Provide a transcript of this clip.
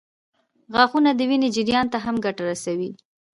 غاښونه د وینې جریان ته هم ګټه رسوي.